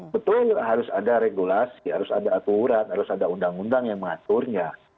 betul harus ada regulasi harus ada aturan harus ada undang undang yang mengaturnya